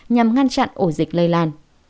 nhằm ngăn chặn ổ dịch lây lan